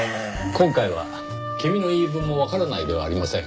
今回は君の言い分もわからないではありません。